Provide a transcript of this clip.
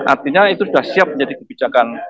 artinya itu sudah siap menjadi kebijakan